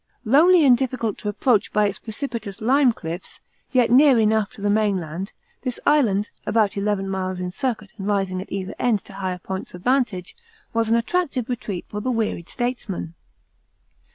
Lonely and difficult to approach by its precipitous lime cliffs, yet near enough to the mainland, this island, about eleven miles in circuit and rising at either end to higher points of vantage, was an attractive retreat for the wearied statesman.